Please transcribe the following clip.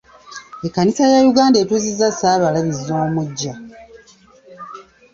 Ekkanisa ya Uganda etuuzizza Ssaabalabirizi omuggya.